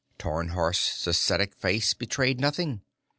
Tarnhorst's ascetic face betrayed nothing.